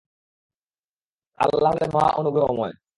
আর আল্লাহ হলেন মহা অনুগ্রহময়।